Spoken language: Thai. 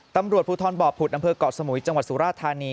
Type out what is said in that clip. ตำรวจภูทรบ่อผุดอำเภอกเกาะสมุยจังหวัดสุราธานี